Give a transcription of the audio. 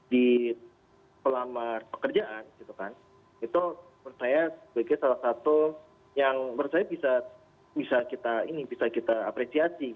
di pelamar pekerjaan itu menurut saya sebagai salah satu yang menurut saya bisa kita apresiasi